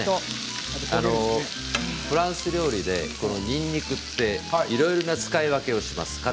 フランス料理で、にんにくっていろいろな使い分けをします。